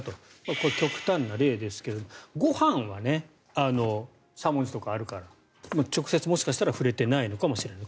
これは極端な例ですがご飯はしゃもじとかあるから直接、もしかしたら触れていないのかもしれない。